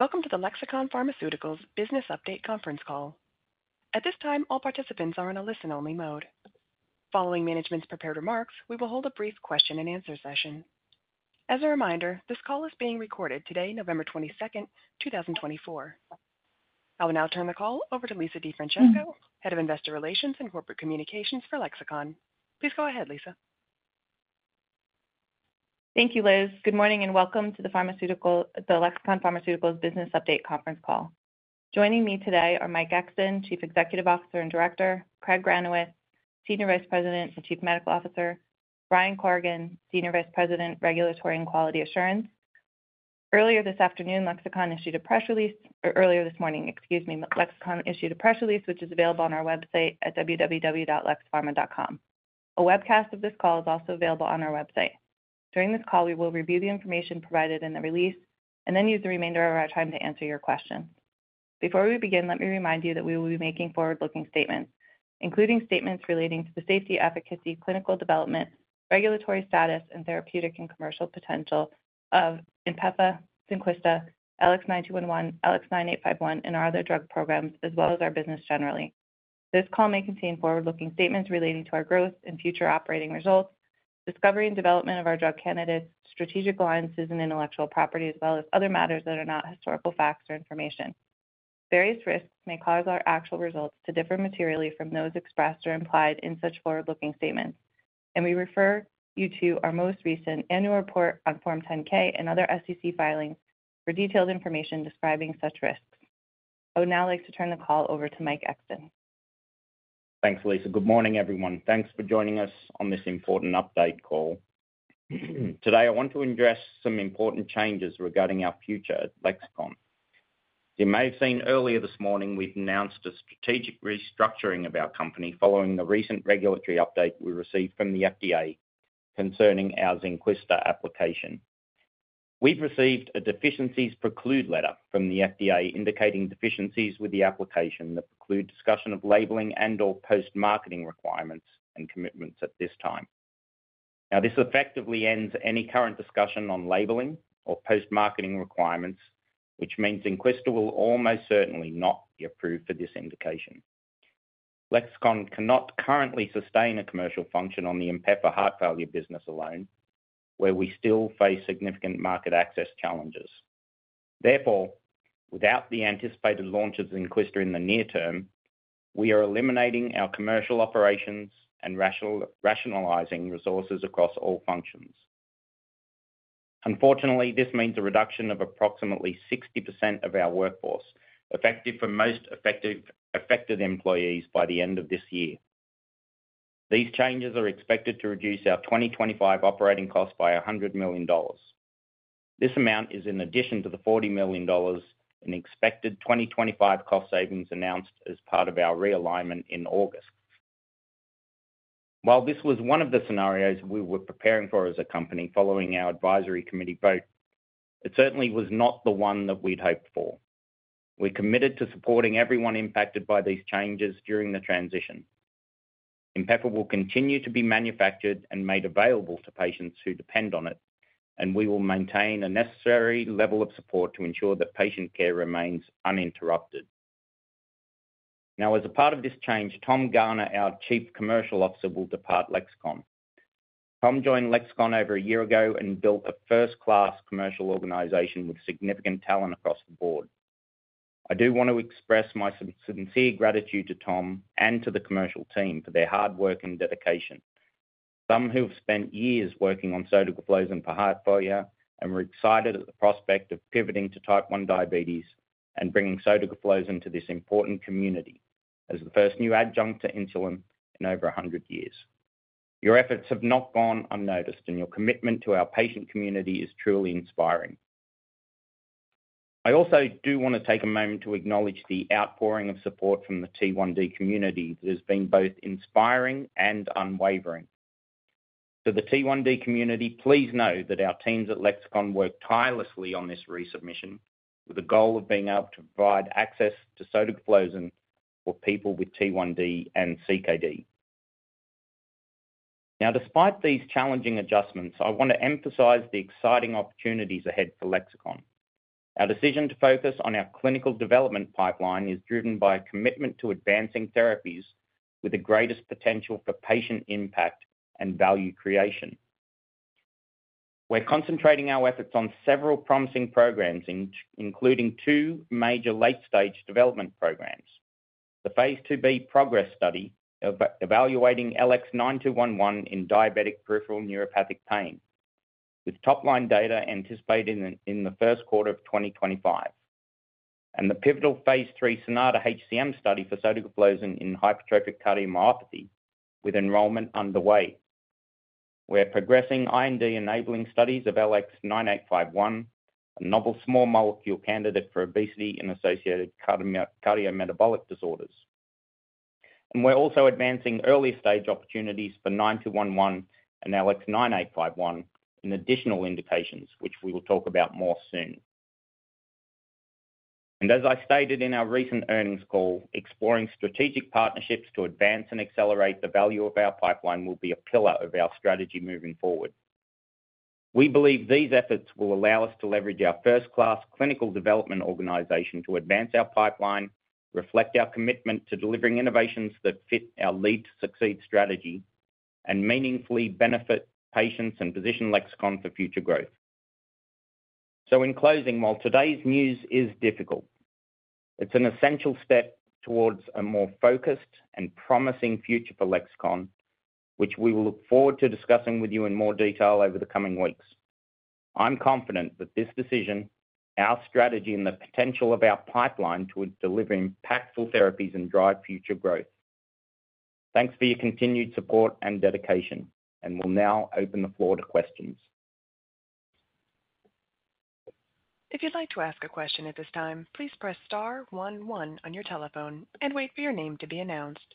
Welcome to the Lexicon Pharmaceuticals Business Update conference call. At this time, all participants are in a listen-only mode. Following management's prepared remarks, we will hold a brief question-and-answer session. As a reminder, this call is being recorded today, November 22nd, 2024. I will now turn the call over to Lisa DeFrancesco, Head of Investor Relations and Corporate Communications for Lexicon. Please go ahead, Lisa. Thank you, Liz. Good morning and welcome to the Lexicon Pharmaceuticals Business Update conference call. Joining me today are Mike Exton, Chief Executive Officer and Director, Craig Granowitz, Senior Vice President and Chief Medical Officer, Brian Corrigan, Senior Vice President, Regulatory and Quality Assurance. Earlier this afternoon, Lexicon issued a press release, or earlier this morning, excuse me, Lexicon issued a press release, which is available on our website at www.lexiconpharma.com. A webcast of this call is also available on our website. During this call, we will review the information provided in the release and then use the remainder of our time to answer your questions. Before we begin, let me remind you that we will be making forward-looking statements, including statements relating to the safety, efficacy, clinical development, regulatory status, and therapeutic and commercial potential of Inpefa, Synquista, LX9211, LX9851, and our other drug programs, as well as our business generally. This call may contain forward-looking statements relating to our growth and future operating results, discovery and development of our drug candidates, strategic alliances and intellectual property, as well as other matters that are not historical facts or information. Various risks may cause our actual results to differ materially from those expressed or implied in such forward-looking statements, and we refer you to our most recent annual report on Form 10-K and other SEC filings for detailed information describing such risks. I would now like to turn the call over to Mike Exton. Thanks, Lisa. Good morning, everyone. Thanks for joining us on this important update call. Today, I want to address some important changes regarding our future at Lexicon. You may have seen earlier this morning we've announced a strategic restructuring of our company following the recent regulatory update we received from the FDA concerning our Synquista application. We've received a Deficiencies Preclude Letter from the FDA indicating deficiencies with the application that preclude discussion of labeling and/or post-marketing requirements and commitments at this time. Now, this effectively ends any current discussion on labeling or post-marketing requirements, which means Synquista will almost certainly not be approved for this indication. Lexicon cannot currently sustain a commercial function on the Inpefa heart failure business alone, where we still face significant market access challenges. Therefore, without the anticipated launch of Synquista in the near term, we are eliminating our commercial operations and rationalizing resources across all functions. Unfortunately, this means a reduction of approximately 60% of our workforce, effective for most affected employees, by the end of this year. These changes are expected to reduce our 2025 operating costs by $100 million. This amount is in addition to the $40 million in expected 2025 cost savings announced as part of our realignment in August. While this was one of the scenarios we were preparing for as a company following our advisory committee vote, it certainly was not the one that we'd hoped for. We're committed to supporting everyone impacted by these changes during the transition. Inpefa will continue to be manufactured and made available to patients who depend on it, and we will maintain a necessary level of support to ensure that patient care remains uninterrupted. Now, as a part of this change, Tom Garner, our Chief Commercial Officer, will depart Lexicon. Tom joined Lexicon over a year ago and built a first-class commercial organization with significant talent across the board. I do want to express my sincere gratitude to Tom and to the commercial team for their hard work and dedication, some who have spent years working on sotagliflozin for heart failure and were excited at the prospect of pivoting to type 1 diabetes and bringing sotagliflozin to this important community as the first new adjunct to insulin in over 100 years. Your efforts have not gone unnoticed, and your commitment to our patient community is truly inspiring. I also do want to take a moment to acknowledge the outpouring of support from the T1D community that has been both inspiring and unwavering. To the T1D community, please know that our teams at Lexicon work tirelessly on this resubmission with the goal of being able to provide access to sotagliflozin for people with T1D and CKD. Now, despite these challenging adjustments, I want to emphasize the exciting opportunities ahead for Lexicon. Our decision to focus on our clinical development pipeline is driven by a commitment to advancing therapies with the greatest potential for patient impact and value creation. We're concentrating our efforts on several promising programs, including two major late-stage development programs: the phase 2b PROGRESS study evaluating LX9211 in diabetic peripheral neuropathic pain, with top-line data anticipated in the first quarter of 2025, and the pivotal phase 3 SONATA HCM study for sotagliflozin in hypertrophic cardiomyopathy, with enrollment underway. We're progressing IND-enabling studies of LX9851, a novel small molecule candidate for obesity and associated cardiometabolic disorders. And we're also advancing early-stage opportunities for 9211 and LX9851 in additional indications, which we will talk about more soon. And as I stated in our recent earnings call, exploring strategic partnerships to advance and accelerate the value of our pipeline will be a pillar of our strategy moving forward. We believe these efforts will allow us to leverage our first-class clinical development organization to advance our pipeline, reflect our commitment to delivering innovations that fit our Lead to Succeed strategy, and meaningfully benefit patients and position Lexicon for future growth. So, in closing, while today's news is difficult, it's an essential step towards a more focused and promising future for Lexicon, which we will look forward to discussing with you in more detail over the coming weeks. I'm confident that this decision, our strategy, and the potential of our pipeline towards delivering impactful therapies and drive future growth. Thanks for your continued support and dedication, and we'll now open the floor to questions. If you'd like to ask a question at this time, please press star one one on your telephone and wait for your name to be announced.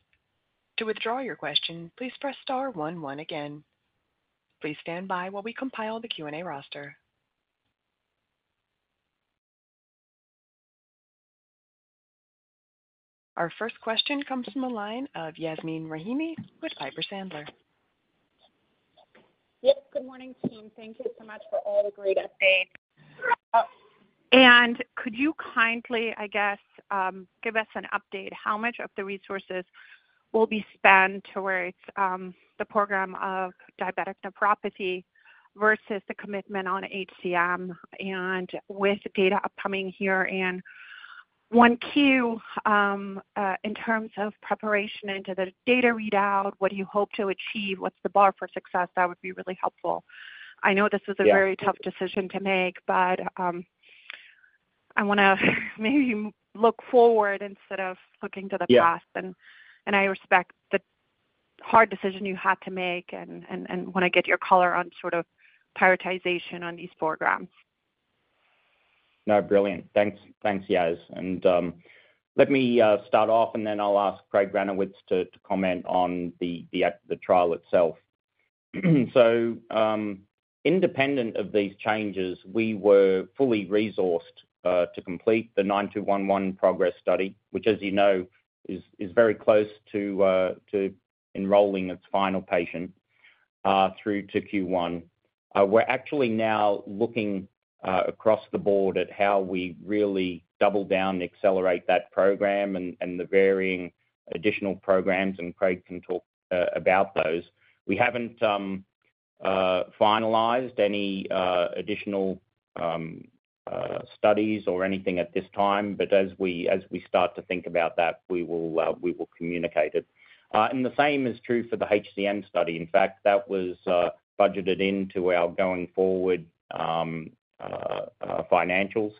To withdraw your question, please press star one one again. Please stand by while we compile the Q&A roster. Our first question comes from the line of Yasmeen Rahimi with Piper Sandler. Yep, good morning, team. Thank you so much for all the great updates. Could you kindly, I guess, give us an update? How much of the resources will be spent towards the program of diabetic nephropathy versus the commitment on HCM and with data upcoming here? One key in terms of preparation into the data readout, what do you hope to achieve? What's the bar for success? That would be really helpful. I know this is a very tough decision to make, but I want to maybe look forward instead of looking to the past. I respect the hard decision you had to make and want to get your color on sort of prioritization on these programs. No, brilliant. Thanks, Yaz. And let me start off, and then I'll ask Craig Granowitz to comment on the trial itself. So, independent of these changes, we were fully resourced to complete the 9211 progress study, which, as you know, is very close to enrolling its final patient through to Q1. We're actually now looking across the board at how we really double down, accelerate that program and the varying additional programs, and Craig can talk about those. We haven't finalized any additional studies or anything at this time, but as we start to think about that, we will communicate it. And the same is true for the HCM study. In fact, that was budgeted into our going-forward financials.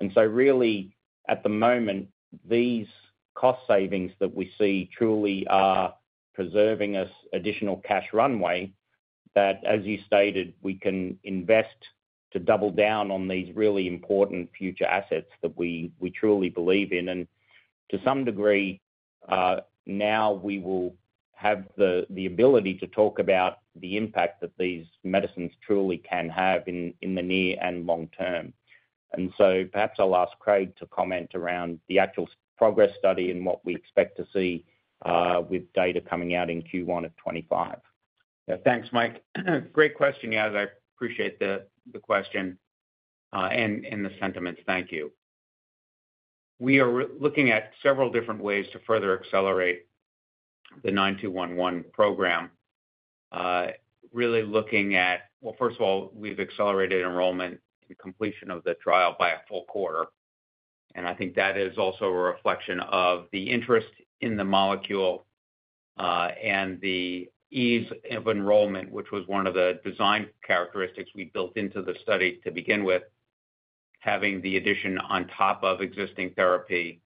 And so, really, at the moment, these cost savings that we see truly are preserving us additional cash runway that, as you stated, we can invest to double down on these really important future assets that we truly believe in. And to some degree, now we will have the ability to talk about the impact that these medicines truly can have in the near and long term. And so, perhaps I'll ask Craig to comment around the actual PROGRESS study and what we expect to see with data coming out in Q1 of 2025. Yeah, thanks, Mike. Great question, Yaz. I appreciate the question and the sentiments. Thank you. We are looking at several different ways to further accelerate the 9211 program, really looking at, well, first of all, we've accelerated enrollment and completion of the trial by a full quarter. And I think that is also a reflection of the interest in the molecule and the ease of enrollment, which was one of the design characteristics we built into the study to begin with, having the addition on top of existing therapy,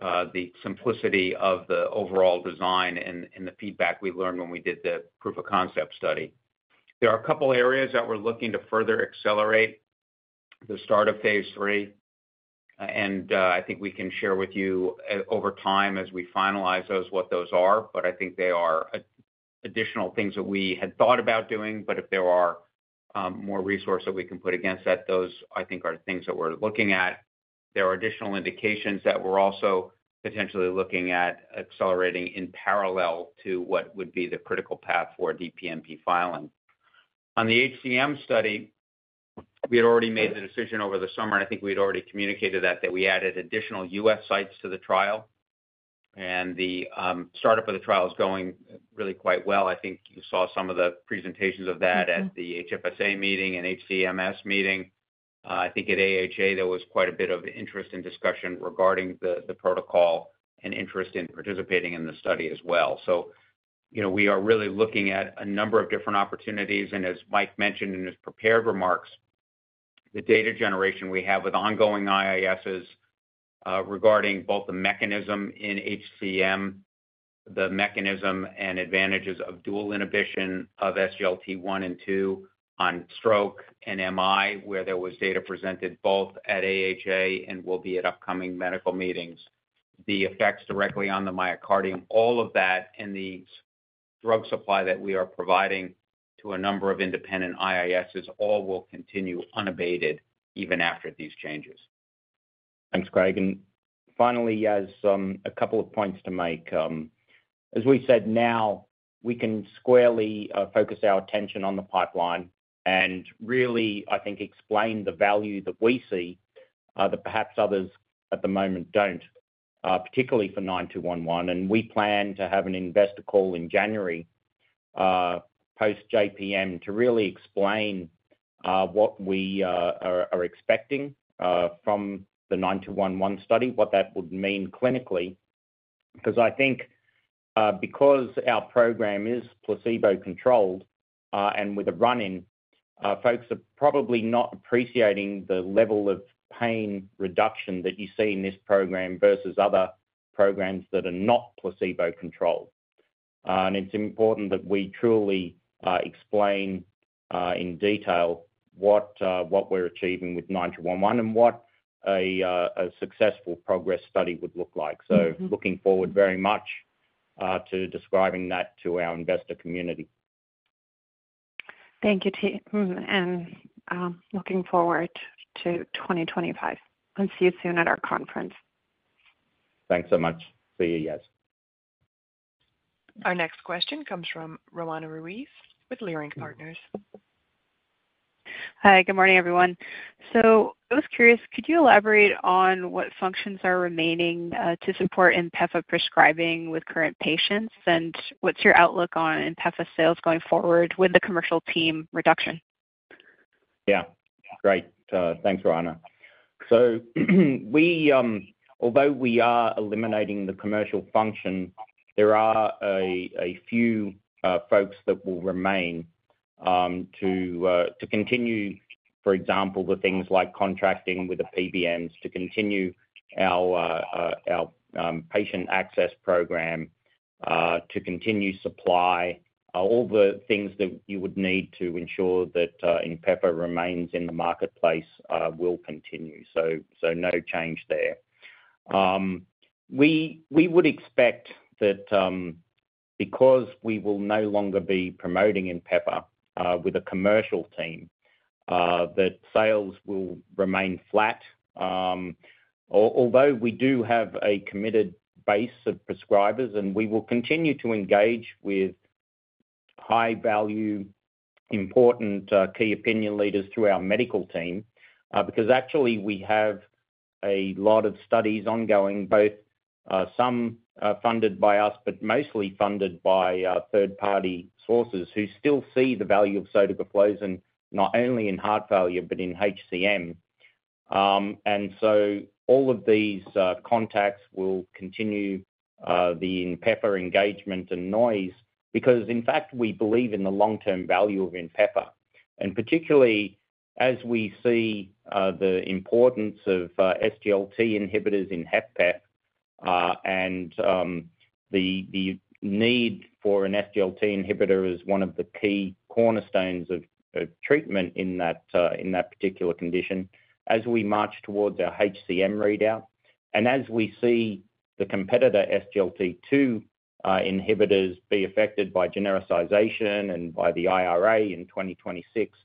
the simplicity of the overall design, and the feedback we learned when we did the proof-of-concept study. There are a couple of areas that we're looking to further accelerate the start of phase 3, and I think we can share with you over time as we finalize those what those are, but I think they are additional things that we had thought about doing. But if there are more resources that we can put against that, those, I think, are things that we're looking at. There are additional indications that we're also potentially looking at accelerating in parallel to what would be the critical path for DPNP filing. On the HCM study, we had already made the decision over the summer, and I think we'd already communicated that, that we added additional U.S. sites to the trial, and the startup of the trial is going really quite well. I think you saw some of the presentations of that at the HFSA meeting and HCMS meeting. I think at AHA, there was quite a bit of interest and discussion regarding the protocol and interest in participating in the study as well, so we are really looking at a number of different opportunities, and as Mike mentioned in his prepared remarks, the data generation we have with ongoing IISs regarding both the mechanism in HCM, the mechanism and advantages of dual inhibition of SGLT1 and SGLT2 on stroke and MI, where there was data presented both at AHA and will be at upcoming medical meetings, the effects directly on the myocardium, all of that in the drug supply that we are providing to a number of independent IISs, all will continue unabated even after these changes. Thanks, Craig. And finally, Yaz, a couple of points to make. As we said, now we can squarely focus our attention on the pipeline and really, I think, explain the value that we see that perhaps others at the moment don't, particularly for 9211. And we plan to have an investor call in January post-JPM to really explain what we are expecting from the 9211 study, what that would mean clinically, because I think because our program is placebo-controlled and with a run-in, folks are probably not appreciating the level of pain reduction that you see in this program versus other programs that are not placebo-controlled. And it's important that we truly explain in detail what we're achieving with 9211 and what a successful progress study would look like. So looking forward very much to describing that to our investor community. Thank you, team. And looking forward to 2025. And see you soon at our conference. Thanks so much. See you, Yaz. Our next question comes from Roanna Ruiz with Leerink Partners. Hi, good morning, everyone. So I was curious, could you elaborate on what functions are remaining to support Inpefa prescribing with current patients? And what's your outlook on Inpefa sales going forward with the commercial team reduction? Yeah, great. Thanks, Roanna. So although we are eliminating the commercial function, there are a few folks that will remain to continue, for example, the things like contracting with the PBMs, to continue our patient access program, to continue supply. All the things that you would need to ensure that Inpefa remains in the marketplace will continue. So no change there. We would expect that because we will no longer be promoting Inpefa with a commercial team, that sales will remain flat. Although we do have a committed base of prescribers, and we will continue to engage with high-value, important key opinion leaders through our medical team, because actually we have a lot of studies ongoing, both some funded by us, but mostly funded by third-party sources who still see the value of sotagliflozin not only in heart failure, but in HCM. So all of these contacts will continue the Inpefa engagement and noise because, in fact, we believe in the long-term value of Inpefa, and particularly as we see the importance of SGLT inhibitors in HFpEF and the need for an SGLT inhibitor as one of the key cornerstones of treatment in that particular condition as we march towards our HCM readout, and as we see the competitor SGLT2 inhibitors be affected by genericization and by the IRA in 2026,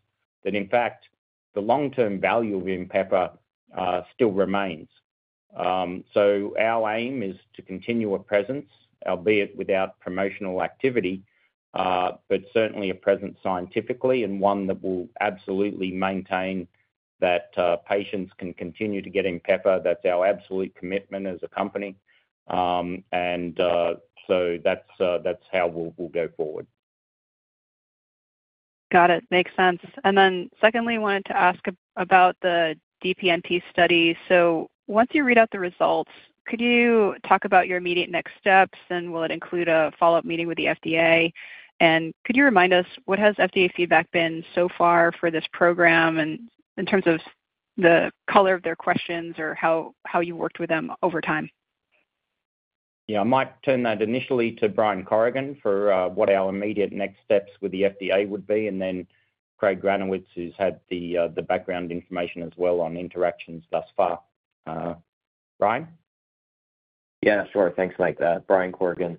that in fact, the long-term value of Inpefa still remains, so our aim is to continue a presence, albeit without promotional activity, but certainly a presence scientifically and one that will absolutely maintain that patients can continue to get Inpefa. That's our absolute commitment as a company, and so that's how we'll go forward. Got it. Makes sense. And then secondly, I wanted to ask about the DPNP study. So once you read out the results, could you talk about your immediate next steps? And will it include a follow-up meeting with the FDA? And could you remind us, what has FDA feedback been so far for this program in terms of the color of their questions or how you worked with them over time? Yeah, I might turn that initially to Brian Corrigan for what our immediate next steps with the FDA would be. And then Craig Granowitz, who's had the background information as well on interactions thus far. Brian? Yeah, sure. Thanks, Mike. Brian Corrigan.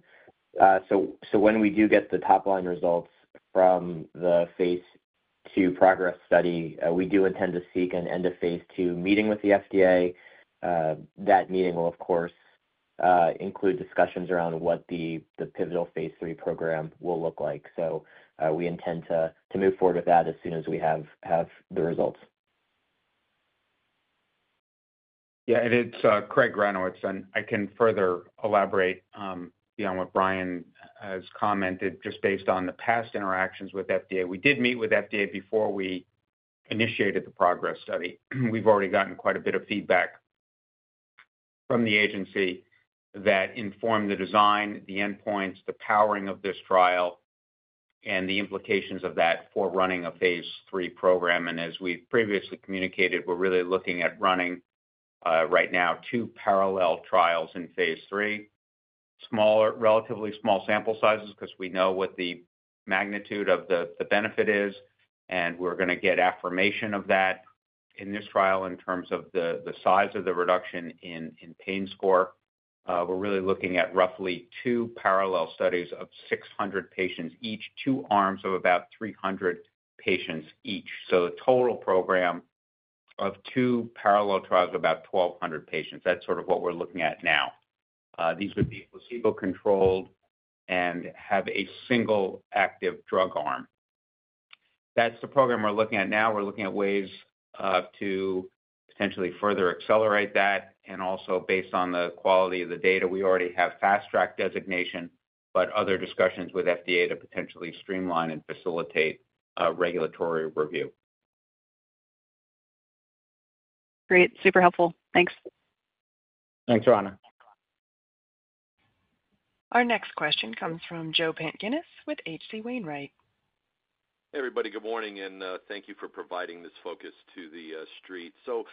So when we do get the top-line results from the phase 2b PROGRESS study, we do intend to seek an end-of-phase 2 meeting with the FDA. That meeting will, of course, include discussions around what the pivotal phase 3 program will look like. So we intend to move forward with that as soon as we have the results. Yeah, and it's Craig Granowitz. And I can further elaborate beyond what Brian has commented just based on the past interactions with FDA. We did meet with FDA before we initiated the PROGRESS study. We've already gotten quite a bit of feedback from the agency that informed the design, the endpoints, the powering of this trial, and the implications of that for running a phase 3 program. And as we've previously communicated, we're really looking at running right now two parallel trials in phase 3, relatively small sample sizes because we know what the magnitude of the benefit is. And we're going to get affirmation of that in this trial in terms of the size of the reduction in pain score. We're really looking at roughly two parallel studies of 600 patients each, two arms of about 300 patients each. So the total program of two parallel trials of about 1,200 patients. That's sort of what we're looking at now. These would be placebo-controlled and have a single active drug arm. That's the program we're looking at now. We're looking at ways to potentially further accelerate that. And also, based on the quality of the data, we already have fast-track designation, but other discussions with FDA to potentially streamline and facilitate regulatory review. Great. Super helpful. Thanks. Thanks, Rowana. Our next question comes from Joe Pantginis with H.C. Wainwright. Hey, everybody. Good morning. And thank you for providing this focus to the street. So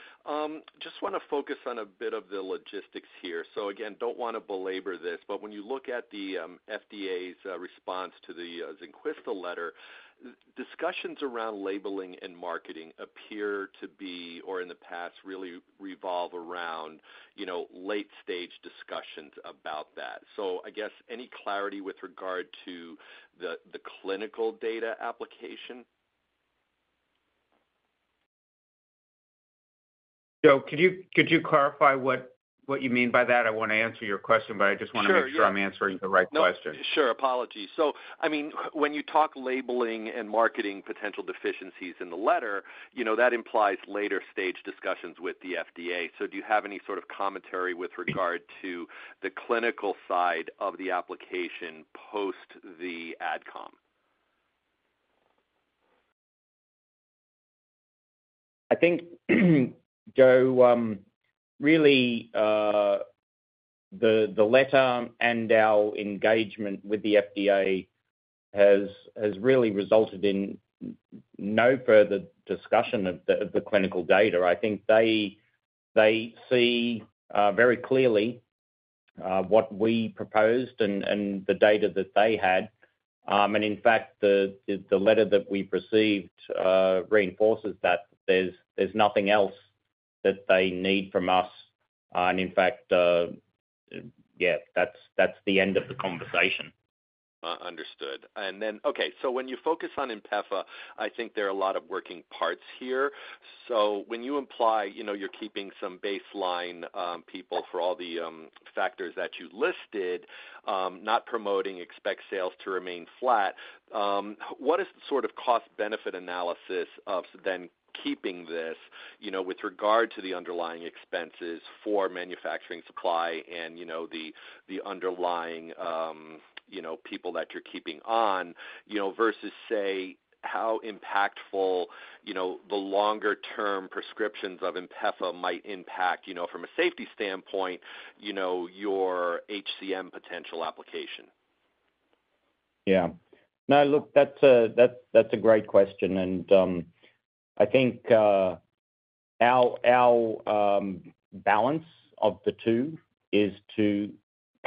just want to focus on a bit of the logistics here. So again, don't want to belabor this, but when you look at the FDA's response to the Synquista letter, discussions around labeling and marketing appear to be, or in the past, really revolve around late-stage discussions about that. So I guess any clarity with regard to the clinical data application? Joe, could you clarify what you mean by that? I want to answer your question, but I just want to make sure I'm answering the right question. Sure. Apologies. So I mean, when you talk labeling and marketing potential deficiencies in the letter, that implies later-stage discussions with the FDA. So do you have any sort of commentary with regard to the clinical side of the application post the AdCom? I think, Joe, really the letter and our engagement with the FDA has really resulted in no further discussion of the clinical data. I think they see very clearly what we proposed and the data that they had. And in fact, the letter that we've received reinforces that. There's nothing else that they need from us. And in fact, yeah, that's the end of the conversation. Understood. And then, okay, so when you focus on Inpefa, I think there are a lot of working parts here. So when you imply you're keeping some baseline people for all the factors that you listed, not promoting expect sales to remain flat, what is the sort of cost-benefit analysis of then keeping this with regard to the underlying expenses for manufacturing supply and the underlying people that you're keeping on versus, say, how impactful the longer-term prescriptions of Inpefa might impact from a safety standpoint your HCM potential application? Yeah. No, look, that's a great question. And I think our balance of the two is to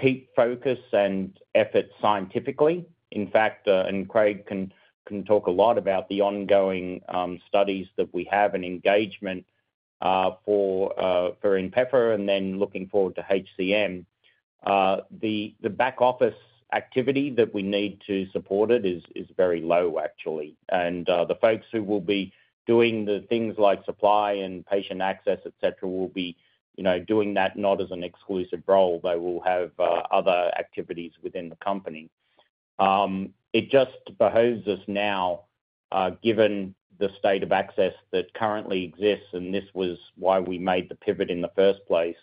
keep focus and effort scientifically. In fact, and Craig can talk a lot about the ongoing studies that we have and engagement for Inpefa and then looking forward to HCM. The back-office activity that we need to support it is very low, actually. And the folks who will be doing the things like supply and patient access, etc., will be doing that not as an exclusive role. They will have other activities within the company. It just behooves us now, given the state of access that currently exists, and this was why we made the pivot in the first place,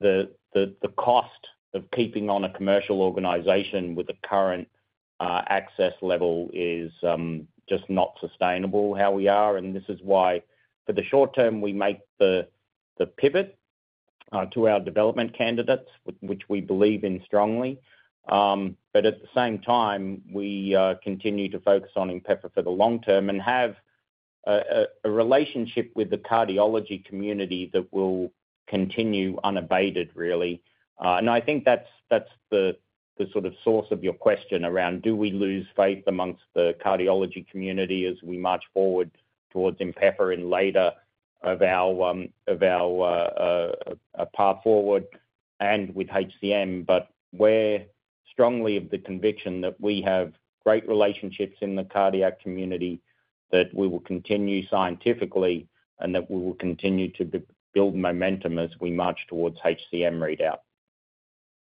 the cost of keeping on a commercial organization with a current access level is just not sustainable how we are. This is why for the short term, we make the pivot to our development candidates, which we believe in strongly. But at the same time, we continue to focus on Inpefa for the long term and have a relationship with the cardiology community that will continue unabated, really. I think that's the sort of source of your question around do we lose faith amongst the cardiology community as we march forward towards Inpefa and later of our path forward and with HCM, but we're strongly of the conviction that we have great relationships in the cardiac community, that we will continue scientifically, and that we will continue to build momentum as we march towards HCM readout.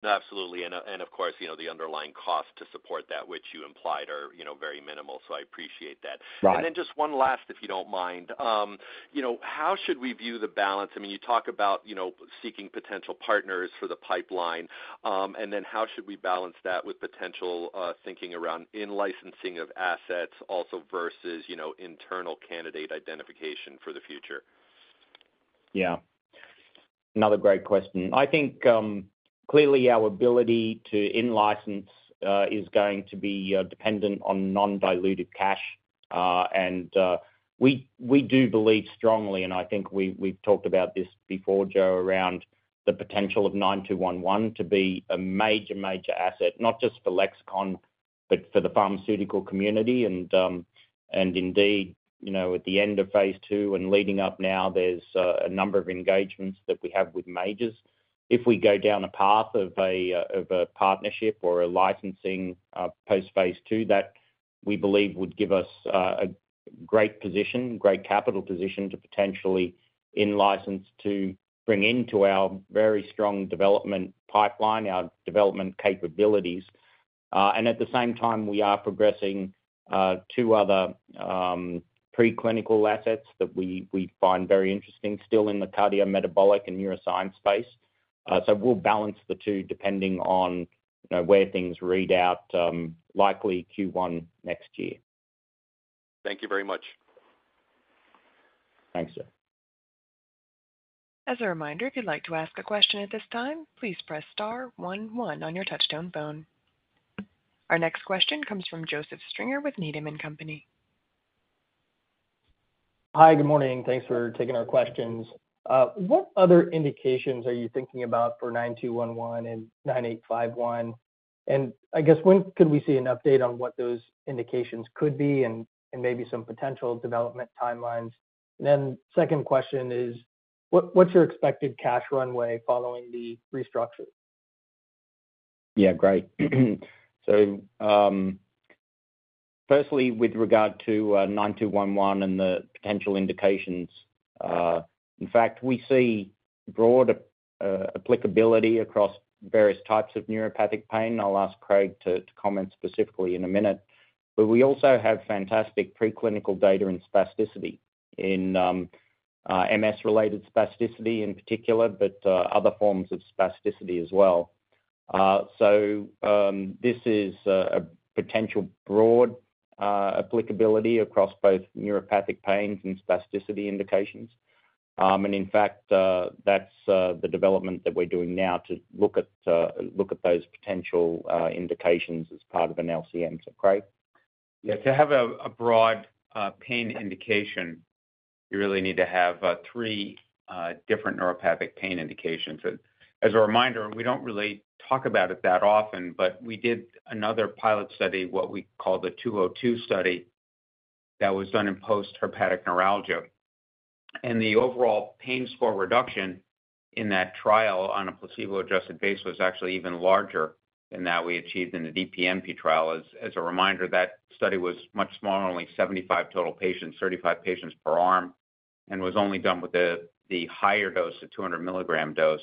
No, absolutely. And of course, the underlying cost to support that, which you implied, are very minimal. So I appreciate that. And then just one last, if you don't mind, how should we view the balance? I mean, you talk about seeking potential partners for the pipeline. And then how should we balance that with potential thinking around in-licensing of assets also versus internal candidate identification for the future? Yeah. Another great question. I think clearly our ability to in-license is going to be dependent on non-dilutive cash. And we do believe strongly, and I think we've talked about this before, Joe, around the potential of LX9211 to be a major, major asset, not just for Lexicon, but for the pharmaceutical community. And indeed, at the end of phase 2 and leading up now, there's a number of engagements that we have with majors. If we go down a path of a partnership or a licensing post-phase 2, that we believe would give us a great position, great capital position to potentially in-license to bring into our very strong development pipeline, our development capabilities. And at the same time, we are progressing two other preclinical assets that we find very interesting still in the cardiometabolic and neuroscience space. So we'll balance the two depending on where things read out, likely Q1 next year. Thank you very much. Thanks, Joe. As a reminder, if you'd like to ask a question at this time, please press star 11 on your touch-tone phone. Our next question comes from Joseph Stringer with Needham and Company. Hi, good morning. Thanks for taking our questions. What other indications are you thinking about for 9211 and 9851? And I guess when could we see an update on what those indications could be and maybe some potential development timelines? And then second question is, what's your expected cash runway following the restructure? Yeah, great. So firstly, with regard to LX9211 and the potential indications, in fact, we see broad applicability across various types of neuropathic pain. I'll ask Craig to comment specifically in a minute. But we also have fantastic preclinical data in spasticity, in MS-related spasticity in particular, but other forms of spasticity as well. So this is a potential broad applicability across both neuropathic pains and spasticity indications. And in fact, that's the development that we're doing now to look at those potential indications as part of an LCM. So Craig. Yeah. To have a broad pain indication, you really need to have three different neuropathic pain indications. As a reminder, we don't really talk about it that often, but we did another pilot study, what we call the 202 study, that was done in post-herpetic neuralgia. And the overall pain score reduction in that trial on a placebo-adjusted basis was actually even larger than that we achieved in the DPNP trial. As a reminder, that study was much smaller, only 75 total patients, 35 patients per arm, and was only done with the higher dose, the 200 mg dose.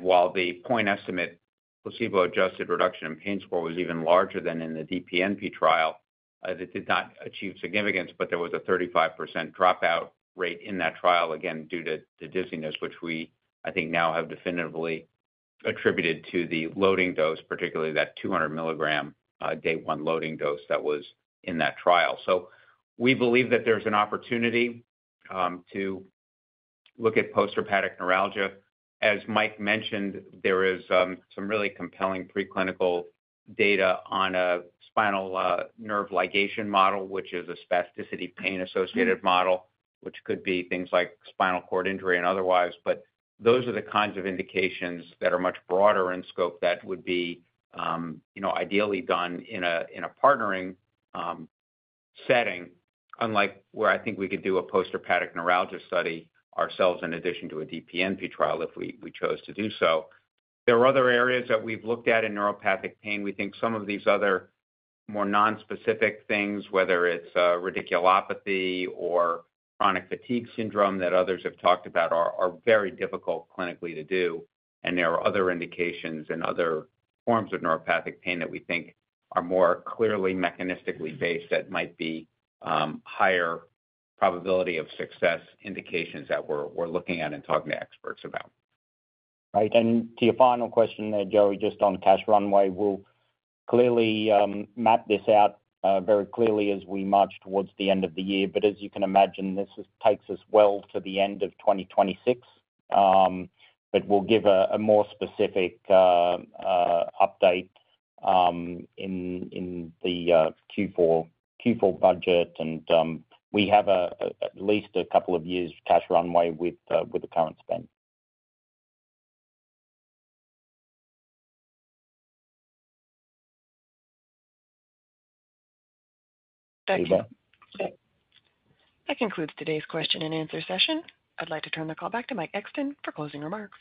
While the point estimate placebo-adjusted reduction in pain score was even larger than in the DPNP trial, it did not achieve significance, but there was a 35% dropout rate in that trial, again, due to dizziness, which we, I think, now have definitively attributed to the loading dose, particularly that 200 mm day one loading dose that was in that trial. So we believe that there's an opportunity to look at post-herpetic neuralgia. As Mike mentioned, there is some really compelling preclinical data on a spinal nerve ligation model, which is a neuropathic pain-associated model, which could be things like spinal cord injury and otherwise. But those are the kinds of indications that are much broader in scope that would be ideally done in a partnering setting, unlike where I think we could do a post-herpetic neuralgia study ourselves in addition to a DPNP trial if we chose to do so. There are other areas that we've looked at in neuropathic pain. We think some of these other more non-specific things, whether it's radiculopathy or chronic fatigue syndrome that others have talked about, are very difficult clinically to do. And there are other indications and other forms of neuropathic pain that we think are more clearly mechanistically based that might be higher probability of success indications that we're looking at and talking to experts about. Right. And to your final question there, Joey, just on cash runway, we'll clearly map this out very clearly as we march towards the end of the year. But as you can imagine, this takes us well to the end of 2026, but we'll give a more specific update in the Q4 budget. And we have at least a couple of years' cash runway with the current spend. Thank you. That concludes today's question and answer session. I'd like to turn the call back to Mike Exton for closing remarks.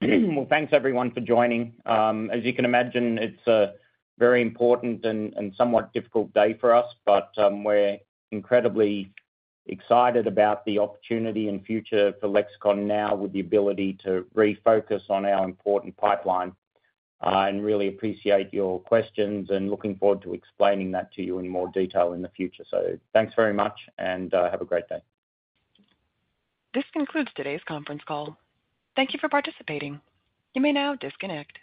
Thanks, everyone, for joining. As you can imagine, it's a very important and somewhat difficult day for us, but we're incredibly excited about the opportunity and future for Lexicon now with the ability to refocus on our important pipeline. Really appreciate your questions and looking forward to explaining that to you in more detail in the future. Thanks very much, and have a great day. This concludes today's conference call. Thank you for participating. You may now disconnect.